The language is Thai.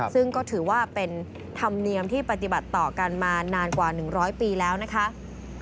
ซึ่งก็ถือว่าเป็นธรรมเนียมที่ปฏิบัติต่อกันมานานกว่า๑๐๐ปีแล้วนะคะ